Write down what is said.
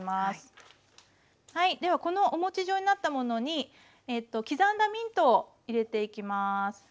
はいではこのおもち状になったものに刻んだミントを入れていきます。